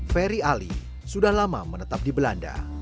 ferry ali sudah lama menetap di belanda